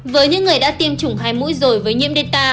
với những người đã tiêm chủng hai mũi rồi với nhiễm deta